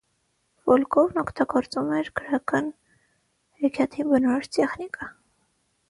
Վոլկովն օգտագործում էր գրական հեքիաթին բնորոշ տեխնիկա։